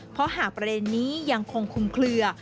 เพราะหากประเด็นนี้ยังคงคุมเคลือ